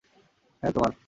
হ্যাঁ, তোমার।